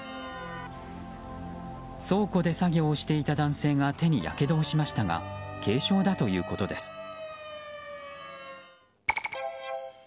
倉庫で作業をしていた男性が手にやけどをしましたが軽傷だということです。